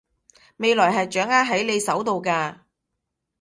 未來係掌握喺你手度㗎